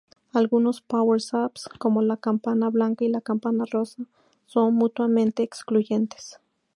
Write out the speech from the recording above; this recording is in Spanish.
Algunos power-ups, como la campana blanca y la campana rosa, son mutuamente excluyentes.